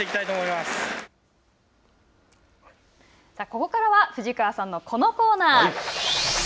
ここからは藤川さんのこのコーナー。